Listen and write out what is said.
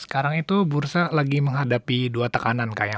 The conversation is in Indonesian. sekarang itu bursa lagi menghadapi dua tekanan kak ya